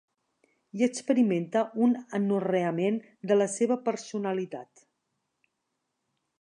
I experimenta un anorreament de la seva personalitat.